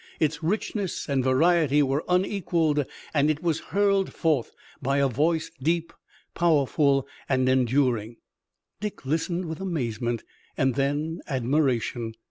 Its richness and variety were unequaled, and it was hurled forth by a voice deep, powerful and enduring. Dick listened with amazement and then admiration.